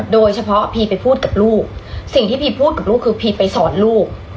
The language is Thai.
โดยเฉพาะพีไปพูดกับลูกสิ่งที่พีพูดกับลูกคือพีไปสอนลูก